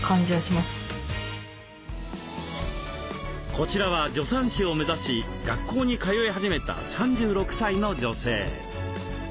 こちらは助産師を目指し学校に通い始めた３６歳の女性。